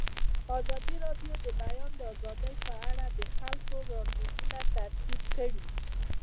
ازادي راډیو د د بیان آزادي په اړه د خلکو وړاندیزونه ترتیب کړي.